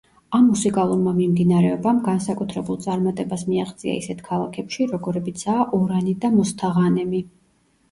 ამ მუსიკალურმა მიმდინარეობამ განსაკუთრებულ წარმატებას მიაღწია ისეთ ქალაქებში როგორებიცაა ორანი და მოსთაღანემი.